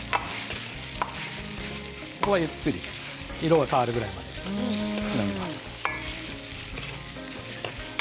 ここは、ゆっくり色が変わるぐらいまで炒めます。